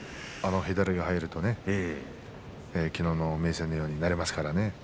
左が入るときのうの明生のようになりますからね。